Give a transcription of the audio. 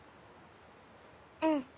うん。